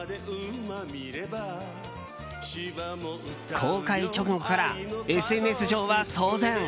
公開直後からＳＮＳ上は騒然！